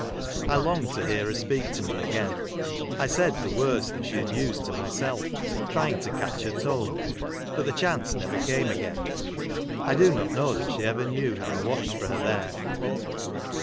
I longed to hear her speak to me again. I said the words she had used to myself, trying to catch her tone ; but the chance never came again. I do not know that she ever knew how I watched for her there.